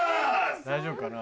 大丈夫かな？